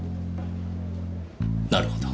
なるほど。